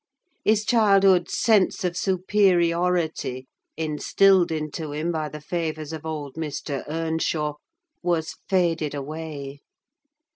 His childhood's sense of superiority, instilled into him by the favours of old Mr. Earnshaw, was faded away.